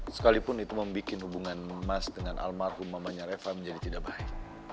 sekalipun itu membuat hubungan mas dengan almarhum mamanya reva menjadi tidak baik